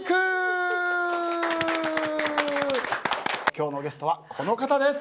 今日のゲストはこの方です。